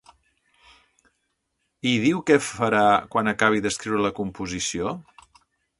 I diu que farà quan acabi d'escriure la composició?